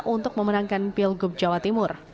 untuk memenangkan pilgub jawa timur